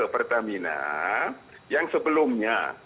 pertamina yang sebelumnya